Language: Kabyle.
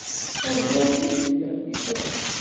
Ad ẓreɣ Tiziri tameddit-a.